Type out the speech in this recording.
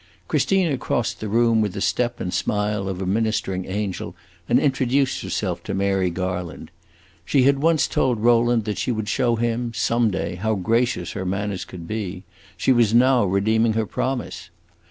Christina crossed the room with the step and smile of a ministering angel, and introduced herself to Mary Garland. She had once told Rowland that she would show him, some day, how gracious her manners could be; she was now redeeming her promise.